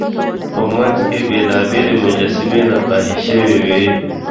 په منځ کې یې بېلابېلې مجسمې نقاشي شوې وې.